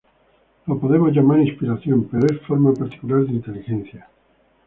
Lo podemos llamar inspiración, pero es forma particular de inteligencia.